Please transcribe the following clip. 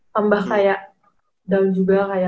tambah kayak down juga